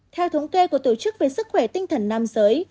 theo thống kê của tổ chức về sức khỏe tinh thần nam giới